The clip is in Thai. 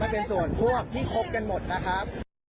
เป็นส่วนพวกที่คบกันหมดนะครับ